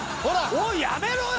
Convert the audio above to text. おいやめろよ！